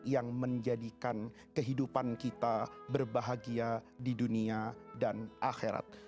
yang menjadikan kehidupan kita berbahagia di dunia dan akhirat